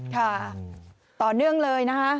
ค่ะต่อเนื่องเลยนะคะ